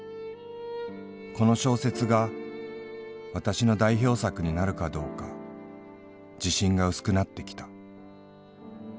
この小説が私の代表作になるかどうか自信が薄くなってきた。